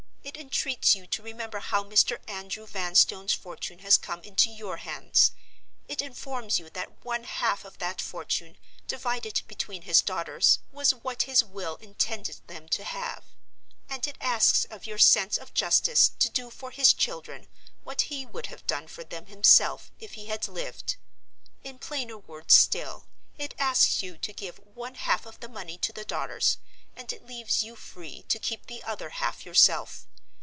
It entreats you to remember how Mr. Andrew Vanstone's fortune has come into your hands; it informs you that one half of that fortune, divided between his daughters, was what his will intended them to have; and it asks of your sense of justice to do for his children what he would have done for them himself if he had lived. In plainer words still, it asks you to give one half of the money to the daughters, and it leaves you free to keep the other half yourself.